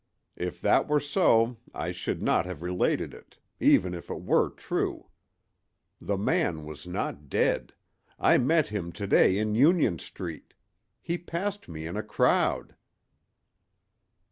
If that were so I should not have related it, even if it were true. The man was not dead; I met him to day in Union street. He passed me in a crowd."